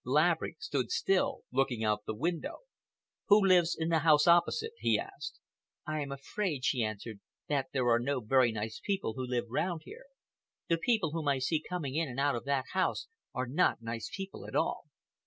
Laverick stood still, looking out of the window. "Who lives in the house opposite?" he asked. "I am afraid," she answered, "that there are no very nice people who live round here. The people whom I see coming in and out of that house are not nice people at all."